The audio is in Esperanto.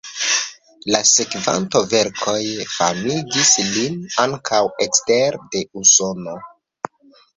La sekvontaj verkoj famigis lin ankaŭ ekster de Usono.